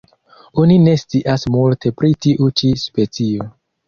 Oni ne scias multe pri tiu ĉi specio.